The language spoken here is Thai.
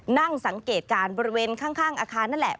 นั่งสังเกตการณ์บริเวณข้างอาคารนั่นแหละ